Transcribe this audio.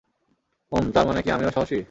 উম, তার মানে কি আমিও সাহসী?